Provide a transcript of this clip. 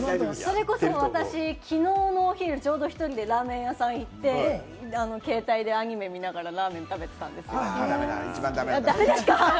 それこそ私、昨日のお昼１人でラーメン屋さんに行って、携帯でアニメ見ながらラーメン食一番だめなやつだ。